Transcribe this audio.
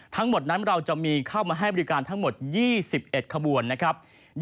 ทั้งหมดนั้นเราจะมีเข้ามาให้บริการทั้งหมด๒๑ขบวนนะครับ